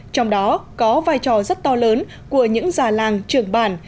trong đó có vai trò rất to lớn của những già làng trưởng bản